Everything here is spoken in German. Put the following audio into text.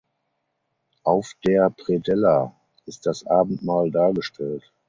Auf der Predella ist das Abendmahl dargestellt.